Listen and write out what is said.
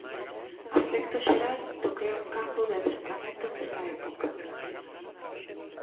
Aspecto xeral do que é un campo de adestramento nesta época.